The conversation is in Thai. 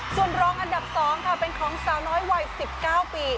ส่วนรองอันดับ๒ค่ะเป็นของสาวน้อยวัย๑๙ปี